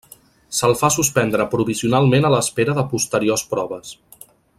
Se'l fa suspendre provisionalment a l'espera de posteriors proves.